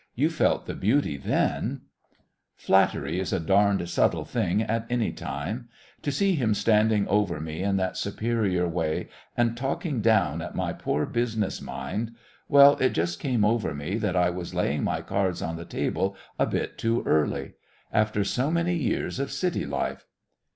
You felt the beauty then." Flattery is a darned subtle thing at any time. To see him standing over me in that superior way and talking down at my poor business mind well, it just came over me that I was laying my cards on the table a bit too early. After so many years of city life